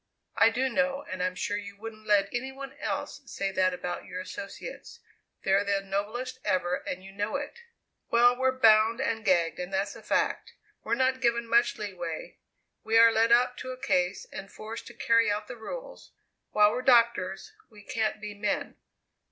"I do know, and I'm sure you wouldn't let any one else say that about your associates; they're the noblest ever and you know it!" "Well, we're bound and gagged, and that's a fact. We're not given much leeway. We are led up to a case and forced to carry out the rules. While we're doctors we can't be men."